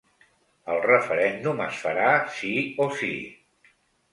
El referèndum es farà sí o sí.